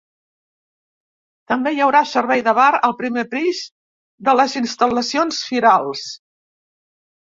També hi haurà servei de bar al primer pis de les instal·lacions firals.